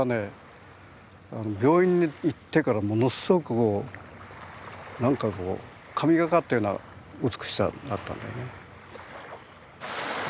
病院に行ってからものすごく何かこう神がかったような美しさになったんだよね。